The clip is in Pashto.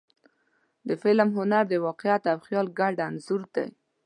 د فلم هنر د واقعیت او خیال ګډ انځور دی.